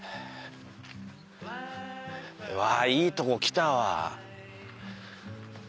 うわいいとこ来たわ。